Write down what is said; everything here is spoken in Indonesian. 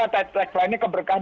sampai ke apa tagline nya keberkahan